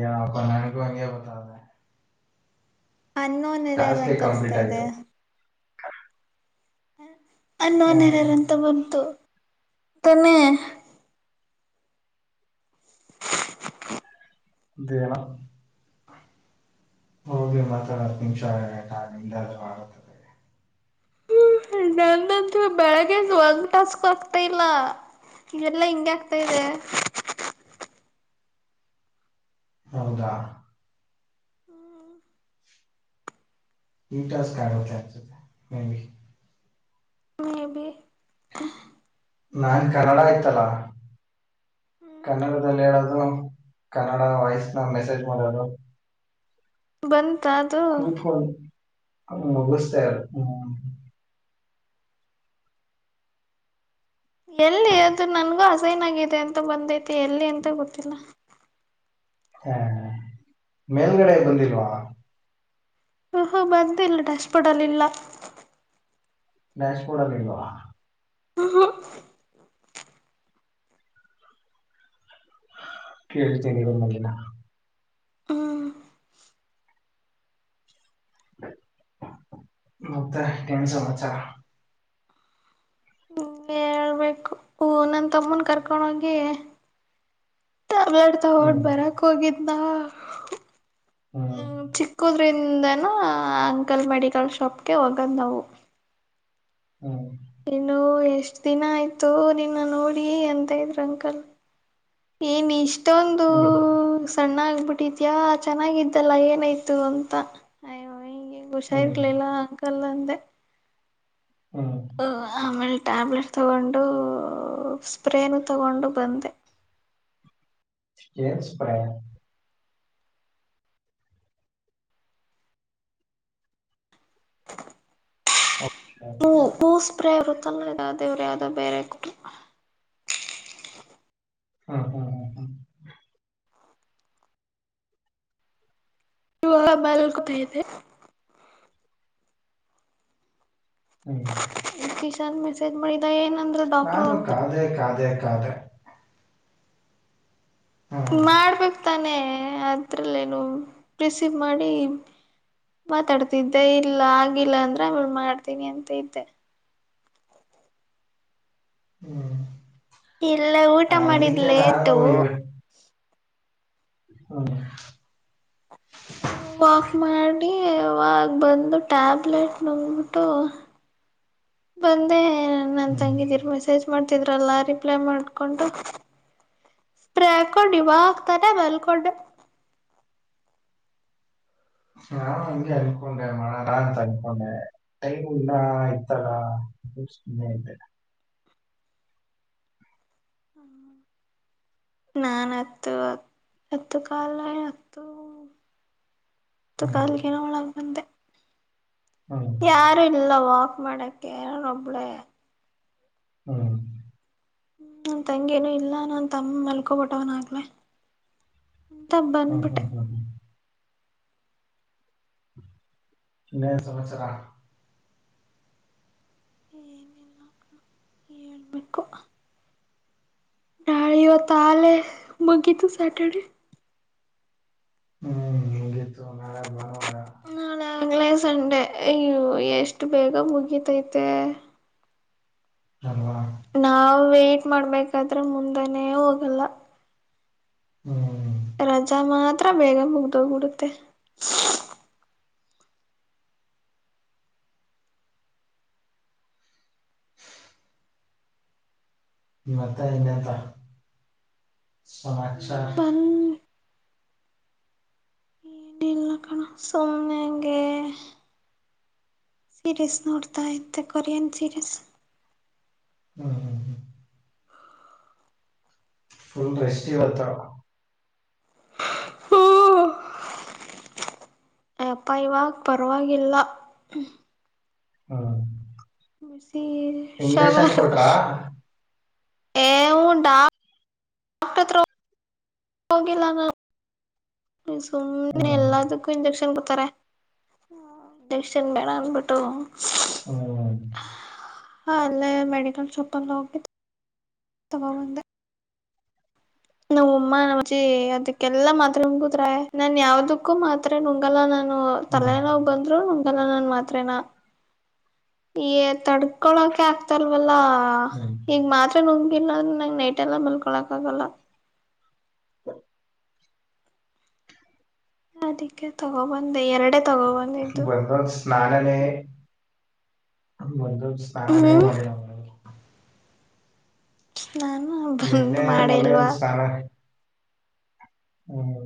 ಯಪ್ಪ ನನಗೂ ಹಾಗೆ ಬರ್ತಾ ಇದೆ ಅನ್ನೋನ್ ಎರರ್ ಅಂತ ಕಂಪ್ಲೀಟ್ ತೋರಿಸ್ತಾ ಇದೇ ಆಯ್ತು [unintelligible] ಹ ಅನ್ನೋನ್ ಎರರ್ ಅಂತ ಬಂತು ತಾನೇ [inaudible] ಮತ್ತೇನೂ ಹೋಗಿ ಮಾತಾಡಿ ಹತ್ತು ನಿಮಿಷ ಆಗಲ್ಲ ಅಕ್ಕ ನಿಮ್ಮದು ಆದರೂ ಆಗುತ್ತೆ ನನ್ನದಂತೂ ಬೆಳಗ್ಗೆ ಇಂದ ಒಂದು ಟಾಸ್ಕ್ ಆಗುತ್ ಇಲ್ಲ ಎಲ್ಲಾ ಹಿಂಗೇ ಆಗ್ತಾ ಇದೆ ಹೌದಾ ಈ ಟಾಸ್ಕ್ ಆಗುತ್ತೆ ಅನ್ಸುತ್ತೆ ಮೆಬಿ ಮೆಬಿ ಹ್ಮ್ ನಾನ್ ಕನ್ನಡ ಇತ್ತಲ್ಲ ಕನ್ನಡದಲ್ಲಿ ಹೇಳೋದು ಕನ್ನಡ ವಾಯ್ಸ್ ಮೆಸೇಜ್ ಮಾಡೋದು ಬಂತ ಅದು ಅದು ಮುಗಿಸದೆ ಹ್ಮ್ಮ್ ಎಲ್ಲಿ ಅದು ನನ್ಗೂ ಹಸೈನ್ ಆಗಿದೆ ಅಂತ ಬಂದೈತಿ ಎಲ್ಲಿ ಅಂತ ಗೊತ್ತಿಲ್ಲ ಹಾ ಮೇಲ್ಗಡೆ ಬಂದಿಲ್ವಾ ಹಾ ಹಾ ಬಂದ ಇಲ್ಲ ಡ್ಯಾಶ್ಬೋರ್ಡ್ ಅಲ್ ಇಲ್ಲ ಡಾಸ್ ಬೋರ್ಡ್ ನಲ್ಲಿ ಇಲ್ವಾ ಹೋ ಕೇಳ್ತೀನಿ ಇರು [unintelligible] ಹ್ಮ್ ಮತ್ತ ಏನ್ ಸಮಾಚಾರ ಹೇಳ್ಬೇಕು ಹು ನನ್ ತಮ್ಮನ್ ಕರ್ಕೊಂಡ ಹೋಗಿ ಟ್ಯಾಬ್ಲೆಟ್ ತಗೊಂಡು ಹ್ಮ್ ಬರಕ್ ಹೋಗಿದ ನಾ ಹ್ಮ್ ಹ್ಮ ಚಿಕ್ಕೋದ್ರೆ [unintelligible] ಅಂಕಲ್ ಮೆಡಿಕಲ್ ಶಾಪ್ಗೆ ಹೋಗಂದಾವು ಹ್ಮ ಇನ್ನು ಎಷ್ಟ ದಿನ ಆಯ್ತು ನಿನ್ನ ನೋಡಿ ಅಂತ ಇದ್ರ ಅಂಕಲ್ ಏನ್ ಇಷ್ಟೋ ಹ್ಮ ಸಣ್ಣಾಗಬಿಟ್ಟಿದ್ಯಾ ಚೆನ್ನಾಗಿದ್ದಲ್ಲ ಏನಾಯ್ತು ಅಂತ ಅಯ್ಯೋ ಹಿಂಗೆ ಹುಷ ಹ್ಮ್ ಇರ್ಲಿಲ್ಲ ಅಂಕಲ್ ಅಂದೆ ಹ್ಮ ಅ ಆಮೇಲೆ ಟ್ಯಾಬ್ಲೆಟ್ ತಗೊಂಡು ಸ್ಪ್ರೇನು ತಗೊಂಡು ಬಂದೆ ಎನಸ್ಪ್ರೇ ಹ ಹೂ ಹೂಸ್ಪ್ರೇ ಇರು ಚಲ ಅ ದೇವ್ರೆ ಅದು ಬೇರೆ ಕುಟ ಹ್ಮ ಹ ಹ ಹ ಇವಾಗ ಬಲ್ಕೂತ ಇದೆ ಹ್ಮ್ [unintelligible] ಮೆಸೇಜ ಮಾಡಿದ ಏನು ನಾನು ಕಾದೆ ಕಾದೆ ಕಾದೆ ಹ್ಮ್ ಮಾಡ್ಬೇಕ್ ತಾನೆ ಅದ್ರಲ್ಲೇನು ಪ್ರಿಸೀವ್ ಮಾಡಿ ಮಾತಾಡ್ತಿದ್ದೆ ಇಲ್ಲ ಆಗಿಲ್ಲ ಅಂದ್ರೆ ಹೂ ಮಾಡ್ತೀನಿ ಅಂತಿದ್ದೆ ಹ್ಮ ಇಲ್ಲ ಊಟ ಮಾಡಿದ್ ಲೇಟು ಹಾ ವಾಕ್ ಮಾಡಿ ಅವಾಗ ಬಂದು ಟ್ಯಾಬ್ಲೆಟ್ ನುಂಗಬಿಟ್ಟು ಬಂದೆ ನನ್ ಹ್ಮ್ ತಂಗಿದ್ದೀರ ಮೆಸ್ಸೇಜ್ ಮಾಡ ಇದ್ರಲ್ಲ ರಿಪ್ಲೈ ಮಾಡ್ಕೊಂಡು ಸ್ಪ್ರೇ ಹಾಕೊಂಡು ಇವಾಗ್ತಾನೆ ಮಲ್ಕೊಂಡೆ ನಾ ಹಂಗೆ ಅನ್ಕೊಂಡೆ ಮಾಡ ಅಂತ ಅನ್ಕೊಂಡೆ ಟೈಮಿಲ್ಲಾ [unintelligible] ನಾನ್ ಅತ್ತು ಅತ್ ಅತ್ತು ಕಾಲಾ ಎತ್ತು ತ ಹ್ಮ್ ಕಾಲಿಗೆನ ಒಳಗ ಬಂದೆ ಹ್ಮ್ ಯಾರು ಇಲ್ಲವಾ ಮಾಡಕ್ಕೆ ಯಾರನ್ ಒಬ್ಳೆ ಹ್ಮ ಹ್ಮ ನನ್ ತಂಗಿನು ಇಲ್ಲ ನಮ ತಂ [unintelligible] ಮಲ್ಕೊಬಿಟ್ಟವನ ಆಗ್ಲೆ ಅಂತ ಹ್ಮ್ ಬಂದ್ಬಿಟ್ಟೆ ಹ್ಮ್ ಹ್ಮ್ ಹ್ಮ್ [unintelligible] ಮ ಸಮಾಚಾರ ಏನಿಲ್ಲ ನಾಳಿ ಇವತ್ತು ಆಗಲೇ ಮುಗಿತು ಸ್ಯಾಟರ್ಡೆ ಹ್ಮ್ ಹತು [unintelligible] ನಾಳಾಗಲೇ ಸಂಡೆ ಅಯ್ಯ ಎಷ್ಟ ಬೇಗ ಮುಗಿತೈತೆ ಅಲ್ವಾ ನಾವೇ ಮಾಡ್ಬೇಕಾದ್ರೆ ಮುಂದಾನೇ ಹೋಗಲ್ಲ ಹ್ಮ್ ರಜಾ ಮಾತ್ರ ಬೇಗ ಮುಗ್ದೋಗಬಿಡುತ್ತೆ ಮತ್ತೆ ಇನ್ನೇನ್ ಸಮಾಚಾರ ಬಂದ್ ಸುಮನೆಗೆ ಸೀರೀಸ್ ನೋಡ್ತಾ ಇತೆ ಕೊರಿಯನ್ ಸೀರೀಸ್ ಹ್ಮ್ ಹ್ಮ್ ಹ್ಮ್ ಫಲ್ ರೆಷ್ಟಿ ಇವತ್ತು ಹೂ ಅಪ್ಪ ಇವಾಗ ಪರವಾಗಿಲ್ಲ ಹ್ಮ ಮಶಿ ಶವರು ಏ [unintelligible] ಕ್ಟ ಎತ್ರ [unintelligible] ಹೋಗಿಲ್ಲ ನಾವು ಸುಮ್ಮನೆ ಹ್ಮ್ ಎಲ್ಲಾದಕ್ಕ ಇಂಜೆಕ್ಷನ್ ಜೆಕ್ಷನ್ ಬೇಡ ಅನ್ಬಿಟ್ಟು ಹ್ಮ ಹ ಅಲ್ಲೇ ಮೆಡಿಕಲ್ ಶಾಪ್ ಅಲ್ಲ ಹೋಗಿದ್ದ ತಗೋ ಬಂದೆ ನಮ್ ಅಮ್ಮ ನಮ್ಮಜ್ಜಿ ಅದಕ್ಕೆಲ್ಲಾ ಮಾತ್ರ ಹಂಗುದ್ರ ನನ್ ಯಾವದಕ್ಕೂ ಮಾತ್ರ ನುಂಗಲ್ಲ ಹ್ಮ್ ತಲೆನೋ ಬಂದ್ರು ಇದಲ್ಲ ನಾನು ಮಾತ್ರೇನಾ ಈ ತಡ ಕಕೊಳಕೆ ಆಗ್ತಲ್ವಲ್ಲ ಹ್ಮ್ ಈಗ ಮಾತ್ರ ನ ಇನಾದ್ರ ನಂಗ್ ನೈಟ್ ಎಲ್ಲ ಮಲ್ಕೊಳಕ್ ಆಗಲ್ಲ ಹ್ಮ ಅದಿಕ್ಕೆ ತಗೋಬಂದೆ ಎರಡು ಸ್ನಾನನ [unintelligible] ಮೊದ್ಲು ಸ್ನಾನ ಹ್ಮ್ ಮಾಡಿಲ್ಲ ಅವನು ನಾನು ಬಂದ್ ನಿನ್ನೆ ಮಾಡೇ ಮೊನ್ನೆ ಇಲ್ವಾ ಒಂದ್ ಸ್ನಾನ ಹ್ಮ್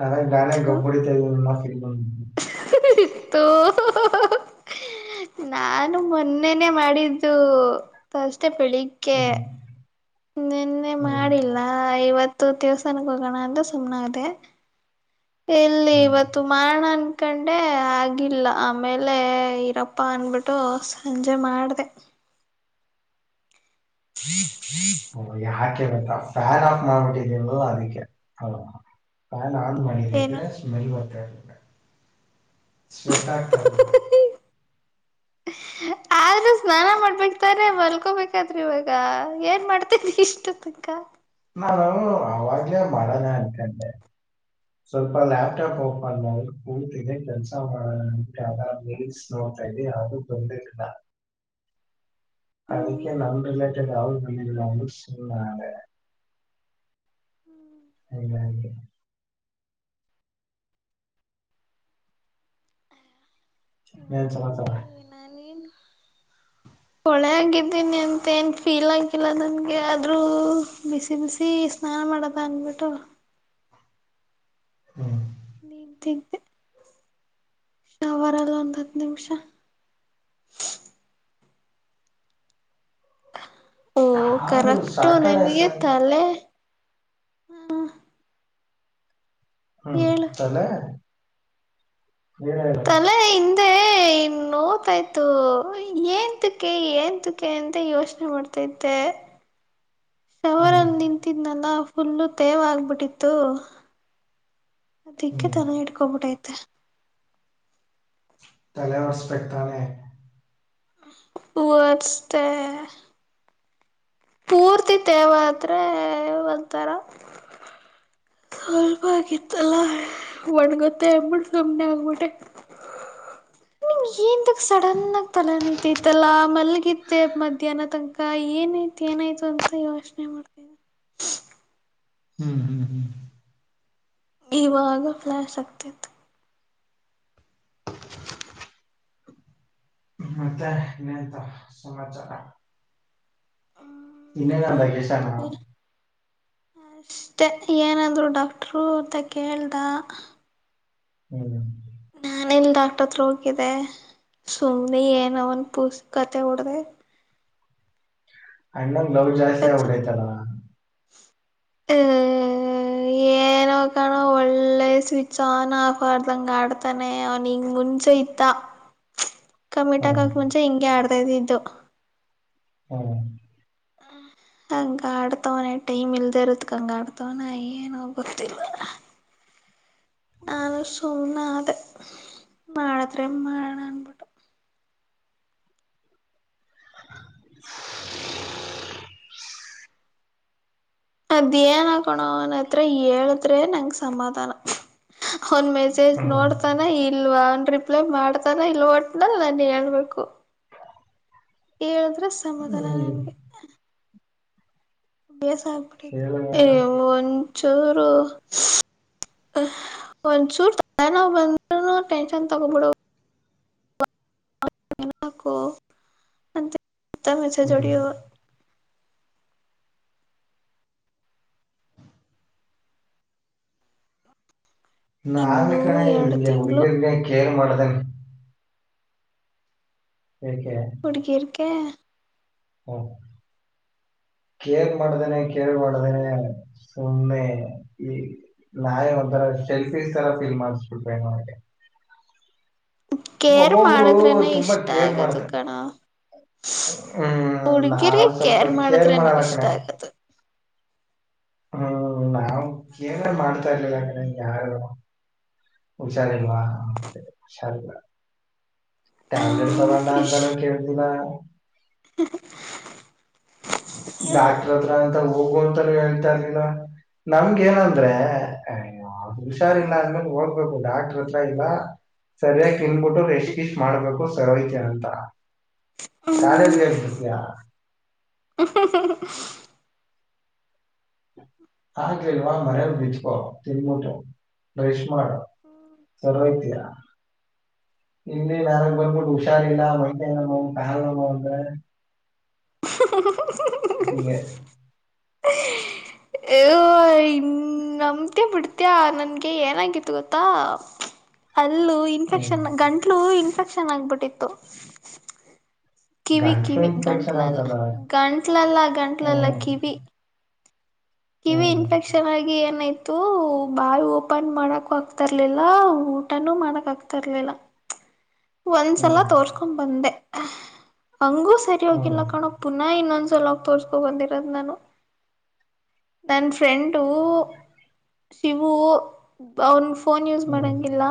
ನಾವೇ ನಾನೆ ಗಬ್ಬುಡಿತ ಇದ ಮ ಹಾ [unintelligible] ಹಃ ಹಃ ಹ ತೂ ಹೂ ಹೂ ನಾನು ಮೊನ್ನೆನೇ ಮಾಡಿದ್ದು ತಶ್ ಮತ್ತೆ ಬೆಳಿಗ್ಗೆ ಹ್ಮ್ ನೆನ್ನೆ ಹ್ಮ್ ಮಾಡಿಲ್ಲ ಇವತ್ ಇವತ್ತು ದೇವಸ್ಥಾನಕ್ ಹೋಗಣ ಅಂತ ಸುಮ್ನೆ ಆದೇ ಎಲ್ಲಿ ಹ್ಮ್ ಇವತ್ತು ಮಾಡಣ ಅಂ ಅನ್ಕಂಡೆ ಆಗಿಲ್ಲ ಆಮೇಲೆ ಇರಪ್ಪ ಅಂದ್ ಬಿಟ್ಟು ಸಂಜೆ ಮಾಡ್ದೇ ಅವ್ ಯಾರ್ ಫ್ಯಾನ್ ಆಫ್ ಮಾಡಿಬಿಟ್ಟಿದ್ದೀನಿ ಅಲ್ಲ ಅದಕ್ಕೆ ಹೂ ಫ್ಯಾನ್ ಆನ್ ಏನು ಮಾಡದಿದ್ರೆ ಸ್ಮೆಲ್ ಬರತ ಇಲ್ ಸ್ವೆಟ್ ಆಗ್ತಾ ಇಲ್ಲ ಆದ್ರೂ ಸ್ನಾನ ಮಾಡಬೇಕು ತಾನೇ ಮಲ್ಕೋಬೇಕಾದರೆ ಇವಾಗ ಏನ್ ಮಾಡ್ತ ಇದಿಯ ಇಷ್ಟೋ ತನ್ಕ ನಾನು ಅವಾಗ್ಲೇ ಮಾಡಣ ಅನ್ಕೊಂಡೆ ಸ್ವಲ್ಪ ಲ್ಯಾಪ್ಟಾಪ್ ಓಪನ್ ಮಾಡಿ ಕೂತಿದ್ದೆ ಕೆಲಸ ಮಾಡಣ ಅಂದಬಿಟ್ಟು ರೀಲ್ಸ್ ನೋಡ್ತಾ ಇದ್ದೆ ಯಾವುದು ಬಂದೆ ಇಲ್ಲ ಹ್ಮ್ ಅದಕೆ ನನ್ ರಿಲೇಟೆಡ್ ಯಾರು ಬಂದಿದ್ದೆಲ್ಲ ಸುಮ್ಮನ್ ಅದೆ ಹೆಂಗ ಹಂಗೆ ಮೇನ್ ಸಮಾಚಾರ ಹೊಳೆಗೆ ಇದೀನಿ ಅಂತ ಏನ್ ಫೀಲ್ ಆಗಿಲ್ಲ ನನ್ಗೆ ಆದ್ರೂ ಬಿಸಿ ಬಿಸಿ ಸ್ನಾನ ಮಾಡದ ಅನ್ಬಿಟ್ಟು ಹ್ಮ್ ನಿಂತಿದ್ದೆ ಶಾವರಲ್ಲ ಒಂದ್ ಹತ್ ನಿಮ್ಷ ಓ ಆದ್ರೂ ಕರೆಕ್ಟು ಸಾಟರ್ಡೆ ನಿನ್ಗೆ ಸನ್ ತಲೆ ಹ್ಮ ಹ್ಮ್ ತಲೆ ನೀವೇ ಹೇಳು ತಲೆ ಹಿಂದೆ ಎ ಇನ್ ನೋಯುತ್ತಿತ್ತು ಏಂತುಕ್ಕೆ ಏಂತುಕ್ಕೆ ಅಂತ ಯೋಚನೆ ಮಾಡ್ತತೈತೆ ಹ್ಮ್ ಶಾವರಾಂಗ್ ನಿಂತಿದ್ನಲ್ಲ ಫುಲ್ ತೇವ್ ಆಗ್ಬುಟ್ಟಿತ್ತು ಅದಕ್ಕೆ ಹ್ಮ್ ತಲೆ ಇಟ್ಕೊಂಡ್ಬಿಟ್ಟೈತೆ ತಲೆ ಹೊರ್ಸ್ಬೇಕ್ ತಾನೆ ವರ್ಸದೇ ಪೂರ್ತಿ ತೇವ ಆದ್ರೆ ಒಂತರಾ ಸ್ವಲ್ಪ ಆಗಿತ್ತಲ್ಲಾ ಒಣಗುತ್ತೆ ಅಂದಬಿಟ್ಟು ಸುಮ್ನೆ ಆಗ್ಬಿಟ್ಟೆ ಎಂತುಕ್ ಸಡನ್ ಆಗ್ ತಲೆ ನೋಯ್ತೈತೆ ಮಲ್ಗಿತ್ತ ಮಧ್ಯಾಹ್ನ ತನಕ ಏನೈತ ಏನಾಯ್ತು ಅಂತ ಯೋಚನೆ ಮಾಡ್ತೆ ಹ್ಮ್ ಹ್ಮ್ ಹ್ಮ್ ಇವಾಗ ಫ್ಲ್ಯಾಶ್ ಆಗ್ತಿತ್ತು ಮತ್ತೆ ಇನ್ನಂತ ಸಮಾಚಾರ ಇನ್ನ ಏನ ಅಂದ ಕಿಷನ್ನು ಅಷ್ಟೇ ಏನ ಅಂದ್ರು ಡಾಕ್ಟರು ಅಂತ ಕೇಳ್ದ ಹ್ಮ್ ನಾನ ಎಲ್ ಡಾಕ್ಟರ್ ಹತ್ರ ಹೋಗಿದ್ದೆ ಸುಮ್ಮನೆ ಏನ ಒಂದೂ ಪೂಸ ಕತೆ ಹೊಡದೆ ಅಂಡ್ ನಂಗ ಲವ್ ಜಾಸ್ತಿ ಆವಡಾತಲ್ಲ ಹ್ಮ್ ಏನೋ ಕಾಣೋ ಒಳ್ಳೆ ಸ್ವಿಚ್ ಆನ್ ಆಫ್ ಆರ್್ದಂಗ ಆಡ್ತಾನೆ ಅವನ್ಂಗ ಮುಂಚೆ ಇತ್ತ ಹ್ಮ್ ಕಮ್ಮಿಟಾಕಕ್ ಮುಚೆ ಹಂ ಆಡ ದಟು [unintelligible] ಹ್ಮ ಹಂಗ ಆಡ್ತವನೆ ಟೈಮ್ ಇಲ್ದ ಇರುತ್ಕಂಗ ಆಡ್ತವನ ಏನೋ ಗೊತ್ತಿಲ್ಲ ನಾನು ಸುಮ್ನೆ ಅ ಮಾಡಿದ್ರೆ ಮಾಡೋಣ ಅನ್ಬಿಟ್ಟು [inaudible] ಅದ್ೇಏನ್ ಆಕೋಣನ ಹತ್ರ ಹೇಳದ್ರೆ ನಂಗ ಸಮಾಧಾನ ಒಂದ್ ಮೆಸೇಜ್ ಹ್ಮ್ ನೋಡ್ತಾನ ಇಲ್ವಾ ರಿಪ್ಲೈ ಮಾಡ್ತಾನ ಇಲ್ ಒಟ್ನಲ್ಲಿ ನಾನು ಹೇಳ್ಬೇಕು ಏಳ [unintelligible] ಅರ ಸಮಾಧಾನ ಹ್ಮ್ ನನಗೆ ಸ್ ಆಗ್ಬಿಡ ಹೇಳು ಏನು ಏ ಒಂದು ಚೂರು ಒಂದ ಚೂರು ತ ಬಂದ್ ಟೆನ್ಷನ್ ತಗೋಬಿಡ ಹಕು ಅಂತ [unintelligible] ಮತ್ತಮ ಹೆಸ ಹ್ಮ್ ಜೋಡಿ [unintelligible] ನಾವ ಇನ್ನೂ ಕಣೆ ಎರಡು ಹಂಗೆ ತಿಂಗಳು ಹುಡ್ಗಿರ್ಗ ಕೇಳ್ ಮಾಡ ತ್ತ [unintelligible] ಕುಡುಕಿರ್ಕ ಹಓ ಕೇಳ್ ಮಾಡ್ದನೆ ಕೇಳ್ ಮಾಡ್ದನೆ ಸುಮಮ್ಮನೆ ಈ ನಾಯಿ ಒಂಥರ ಶೆಲ್ಫೀ ತರ ಫೀಲ್ ಮಾಡಸ್ಬಿಟ್ರೆೋಗೆ ಕೇರ್ ಮಾಡುದ್ರೇನೆ ತುಂಬಾ ಇಷ್ಟ ಕೇರ್ ಆಗದು ಮಾಡ್ತಾರೆ ಕಣ ಹ್ಮ್ ನಾವ್ ಹುಡ್ಗಿರಿಗೆ ಸ್ವಲ್ಪ ಕೇರ್ ಮಾಡುದ್ರೇನೆ ಮಾಡಲ್ಲ ಇಷ್ಟ ಆಗದು ಹಾ ನಾವು ಏನ ಮಾಡ್ತಾ ಇರ್ಲಿ ಯಾಕಡೆ ಯಾರು ಉಷಾರಿಲ್ವಾ ಸರಿ ಉಷಾರಿಲ ಹ ಟ್ಯಾಬ್ಲೆಟ್ ತರನ ಕಿಶ್ ಅಂತಾನೂ ಕೇಳಿಲ್ಲ [inaudible] ಡಾಕ್ಟರ್ ಹತ್ರ ನಂತ ಹೋಗುವಂತಾರೆ ಹೇಳ್ತಾರೆ ನಮ್ಗ ನಂದ್ರೆ ದು ಹುಷಾರಿಲ್ಲಾ ಅಂದ್ಮೇಲೆ ಹೋಗ್ಬೇಕು [inaudible] ಡಾಕ್ರ್ ಹತ್ರ ಇಲ್ಲ ಸರಿಯಾಗಿ ತಿಿಂದಬಿಟ್ಟು ರೆಸ್ೀಸ್ ಮಾಡ್ಬೇಕು ಸರಯತಿ ಅಂತ ಕಾಲೇಜ್ಗೆ ನ್ ಬಿರ್ತಯಾ ಹ ಹ ಲ್ ಮ ವಿೀಚ ತಿ [unintelligible] ನ [inaudible] ಮಾಡ್ ಸರಿಯೊತಿಯ ಇಲ್ಲಿ ನನಗ್ ಬಂದ್ಬಿಟ್ಟು ಹುಷಾರಿಲ್ಲ ಮೈ ಕೈ ಎಲ್ಲಾ ನೋವು ಕಾಲ್ ನೋವು [inaudible] ಹಿಂಗೆ ಇನ್ ನಂಬ್ತಿಯ ಬಿಡ್ತೀಯ ನನ್ಗೆ ಏನಾಗಿತ್ತು ಗೊತ್ತಾ ಅಲ್ಲು ಹ್ಮ್ ಇನ್ಫೆಕ್ಷನ್ ಗಂಟ್ಲು ಇನ್ಫೆಕ್ಷನ್ ಚೆನ್ನಾಗಬಿಟ್ಟಿತ್ತು ಕಿವಿ ಗಂಟ್ಲು ಕಿವಿ ಇನ್ಫೆಕ್ಷನ್ ಗಂಟ್ಲಲ್ಲ ಆಯ್ತದ ಗಂಟ್ಲಲ್ಲ ಗಂಟ್ಲಲ್ಲ ಹ್ಮ್ ಕಿವಿ ಕಿವಿ ಹ್ಮ್ ಇನ್ಫೆಕ್ಷನ್ ಆಗಿ ಏನೈ ತು ಬಾಯಿ ಓಪನ್ ಮಾಡಕೂ ಆಗ್ತಿರ್ಲಿಲ್ಲ ಊಟನೂ ಮಾಡಕ್ ಆಗ್ತಿರ್ಲಿಲ್ಲ ಒಂದ್ಸಲ ಹ್ಮ್ ತೋರ್ಸ್ಕೊಂಡ್ ಬಂದೆ ಆ [unintelligible] ಹಂಗೂ ಸರಿ ಹ್ಮ್ ಹೋಗಿಲ್ಲ ಕಾಣೋ ಪುನಃ ಇನ್ನೊಂದ್ ಸಲಾಗಿ ತೋರ್ಕೊ ಬಂದಿರೋದ್ ನಾನು ನನ್ ಫ್ರೆಂಡು ಶಿವು ಅವನ್ ಫೋನ್ ಯೂಸ್ ಹ್ಮ್ ಮಾಡೋಂಗಿಲ್ಲ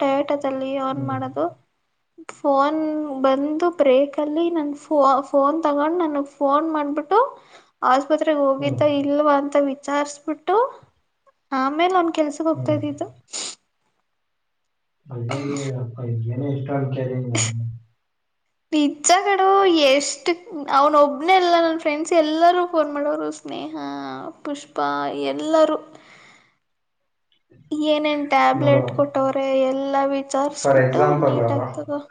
ಟೈಟೊ [unintelligible] ಲ್ಲಿ ಅವನ್ ಹ್ಮ್ ಮಾಡೋದು ಫೋನ್ ಬಂದು ಬ್ರೇಕ ಅಲ್ಲಿ ನನ್ ಫೋ ಫೋನ್ ತಗೊಂಡು ನನಗ್ ಫೋನ್ ಮಾಡ್ಬಿಟ್ಟು ಆಸ್ಪತ್ರೆ ಹೋಗಿದ್ ಹ್ಮ್ ಹ್ಮ್ ಅಂತ ವಿಚಾರಿಸಬಿಟ್ಟು ಆಮೇಲೆ ಒ [unintelligible] ಕೆಲ್ಸಕ್ಕೆ ಹೋಗ್ತಾ ಹ್ಮ್ ಇಧಿದು ಅ [unintelligible] ಹಾ [unintelligible] ಹ ಕರಿ ನಿಜ್ಜ ಕಣ್ಣೋ ಎಷ್ಟು ಅವನ ಒಬ್ನೆೇ ಎಲ್ಲ ನನ್ ಫ್ರೆಂಡ್ಸ್ ಎಲ್ಲಾರೂ ಫೋನ್ ಮಾಡೋರು ಸ್ನೇಹ ಪುಷ್ಪಾ ಎಲ್ಲಾರೂ ಏನೇನ್ ನೋಡು ಟ್ಯಾಬ್ಲೆಟ್ ಕೊಟ್ಟವ್ರೆ ಎಲ್ಲಾ ಫಾರ್ ವಿಚಾರಸ್ಬಿಟ್ಟು ಎಕ್ಸಾಂಪಲ್ ನೀಟ್ ಆಗ್ತಗ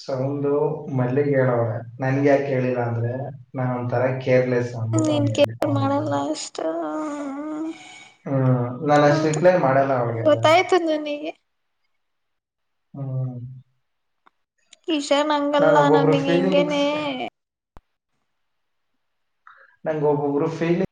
ಸೌಂಡು ಮಲ್ಲಿಗ್ ಹೇಳೋಳ ನನ್ಗೆ ಯಾಕ ಹೇಳಿಲ್ಲ ಅಂದ್ರೆ ನಾ ಒಂದ ತರಕ ಕೇರ್ಲೆಸ್ ಅಬಟ್ಟ ನೀನ್ ಅವನ್ ಕೇರ್ ಅವನು ಮಾಡಲ್ಲ ಹೇಳಿಲ್ಲ ಅಷ್ಟು ಹ್ಮ್ ನಾನ ಹೌದು ಸ್ಟ್ರಿಕ್ಲೈನ್ ಮಾಡಲ್ಲ ಅವನಿಗೆಲ್ಲ ಗೊತ್ತಾಯ್ತು ನನಗೆ ಹ್ಮ ಕಿಶನ್ ಅಂಗಲ್ಲ ನನಗ್ ಹಿಂಗೇನೆ ಫೀಲಿಂಗ್ಸ್ ನಂಗ್ ಒಬ್ಬೊಬ್ರು ಫೀಲಿಂಗ್